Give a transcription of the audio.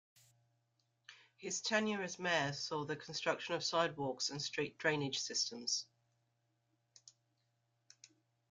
His tenure as mayor saw the construction of sidewalks and street drainage systems.